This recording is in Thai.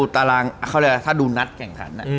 แต่ถ้าดูนัดแข่งขัน